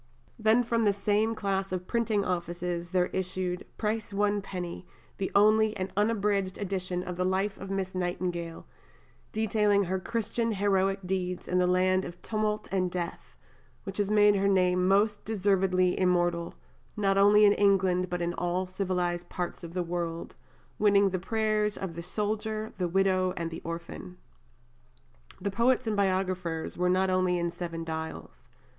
Then from the same class of printing offices there issued "Price One Penny, The Only and Unabridged Edition of the Life of Miss Nightingale, Detailing her Christian Heroic Deeds in the Land of Tumult and Death, which has made her name most deservedly Immortal, not only in England, but in all Civilized Parts of the World, winning the Prayers of the Soldier, the Widow, and the Orphan." The poets and biographers were not only in Seven Dials.